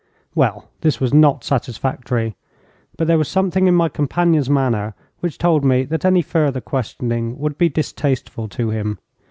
Well, this was not satisfactory, but there was something in my companion's manner which told me that any further questioning would be distasteful to him.